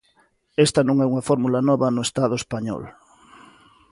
Esta non é unha fórmula nova no estado español.